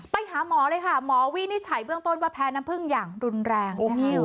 ไปหาหมอเลยค่ะหมอวินิจฉัยเบื้องต้นว่าแพ้น้ำผึ้งอย่างรุนแรงนะคะ